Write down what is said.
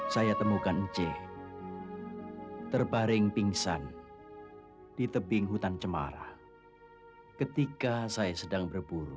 saya terparing pingsan di tebing hutan cemara ketika saya sedang berburu